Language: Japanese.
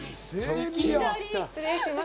失礼します。